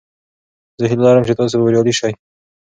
زه هیله لرم چې تاسې به بریالي شئ.